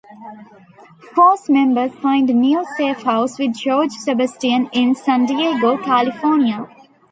Force members find a new safe house with George Sebastian in San Diego, California.